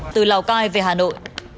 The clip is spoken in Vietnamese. từ lào cai về hà nội